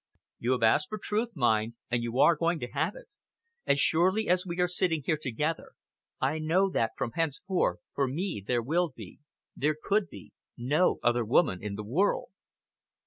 You have asked for truth, mind, and you are going to have it. As surely as we are sitting here together, I know that, from henceforth, for me there will be there could be no other woman in the world!"